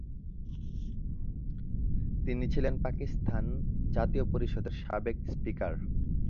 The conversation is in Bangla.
তিনি ছিলেন পাকিস্তান জাতীয় পরিষদের সাবেক স্পিকার।